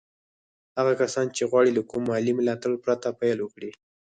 هغه کسان چې غواړي له کوم مالي ملاتړ پرته پيل وکړي.